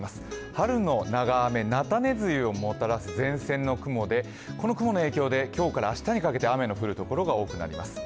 春の長雨、菜種梅雨をもたらす前線の雲でこの雲の影響で今日から明日にかけて雨の降るところが多くなります。